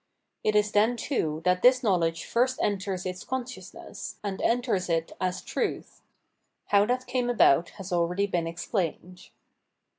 It is then too that this knowledge first enters its consciousness, and enters it as truth. How that came about has already been explained.